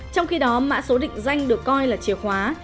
trong khi đó mã số định danh được coi là chìa khóa